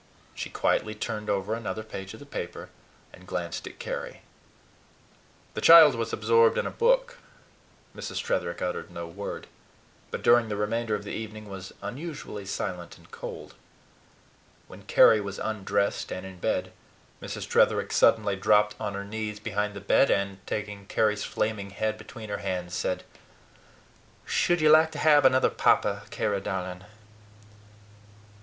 She quietly turned over another page of the paper, and glanced at Carry. The child was absorbed in a book. Mrs. Tretherick uttered no word, but during the remainder of the evening was unusually silent and cold. When Carry was undressed and in bed, Mrs. Tretherick suddenly dropped on her knees beside the bed, and, taking Carry's flaming head between her hands, said: "Should you like to have another papa, Carry, darling?"